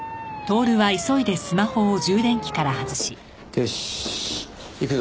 よし行くぞ。